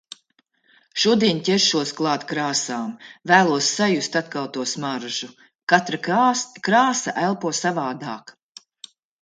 Šodien ķeršos klāt krāsām. Vēlos sajust atkal to smaržu. Katra kāsa elpo savādāk.